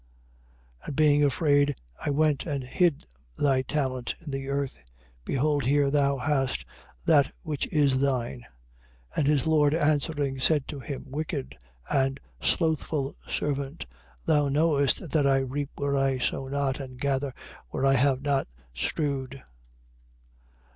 25:25. And being afraid, I went and hid thy talent in the earth. Behold here thou hast that which is thine. 25:26. And his lord answering, said to him: Wicked and slothful servant, thou knewest that I reap where I sow not and gather where I have not strewed.